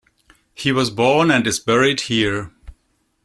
He was born and is buried here.